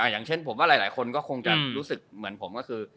อย่างเช่นผมว่าหลายคนก็คงจะรู้สึกเหมือนผมก็คือ